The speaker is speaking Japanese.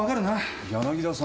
柳田さん。